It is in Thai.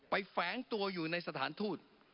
แฝงตัวอยู่ในสถานทูต